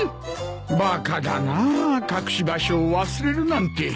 バカだな隠し場所を忘れるなんて。